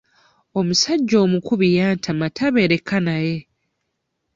Omusajja omukubi yantama tabeereka naye.